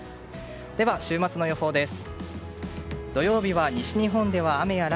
では、週末の予報です。